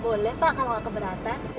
boleh pak kalau nggak keberatan